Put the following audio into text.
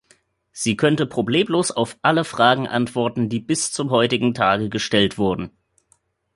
Sie könnte problemlos auf alle Fragen antworten, die bis zum heutigen Tage gestellt wurden.